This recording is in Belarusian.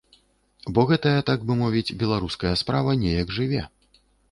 Бо гэтая, так бы мовіць, беларуская справа неяк жыве.